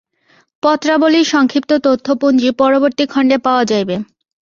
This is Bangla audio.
পত্রাবলীর সংক্ষিপ্ত তথ্যপঞ্জী পরবর্তী খণ্ডে পাওয়া যাইবে।